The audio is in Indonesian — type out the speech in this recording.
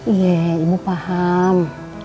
iya ibu paham